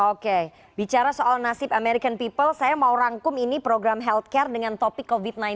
oke bicara soal nasib american people saya mau rangkum ini program healthcare dengan topik covid sembilan belas